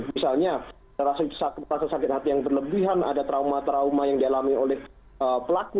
misalnya rasa sakit hati yang berlebihan ada trauma trauma yang dialami oleh pelaku